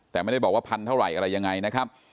แต่ไม่ได้บอกว่าพันธุ์เท่าไหร่อย่างไรนะครับ